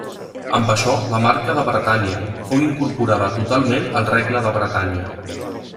Amb això la marca de Bretanya fou incorporada totalment al regne de Bretanya.